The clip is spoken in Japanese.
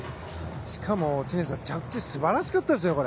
しかも知念さん着地、素晴らしかったですよ。